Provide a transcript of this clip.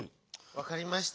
わかりました。